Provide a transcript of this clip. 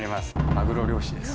マグロ漁師です。